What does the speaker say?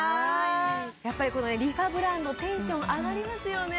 やっぱりこのＲｅＦａブランドテンション上がりますよね